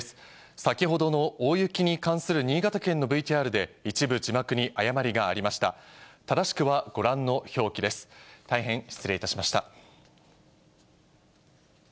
先ほどの大雪に関する新潟県のＶＴＲで、一部字幕に誤りがありま新型コロナの感染拡大が続く